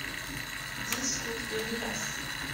dix route de Rivas